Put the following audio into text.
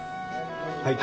はい。